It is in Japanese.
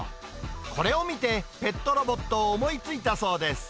これを見て、ペットロボットを思いついたそうです。